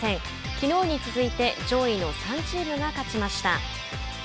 きのうに続いて上位の３チームが勝ちました。